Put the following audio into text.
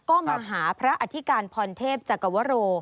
ก็มาหาพระอธิการพรเทพจักรวโร